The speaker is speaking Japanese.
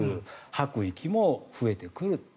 吐く息も増えてくる。